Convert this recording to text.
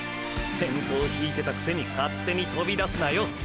先頭引いてたくせに勝手にとびだすなよ！！